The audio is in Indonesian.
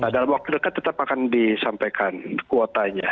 dalam waktu dekat tetap akan disampaikan kuotanya